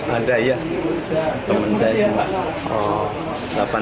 ada ya teman saya semua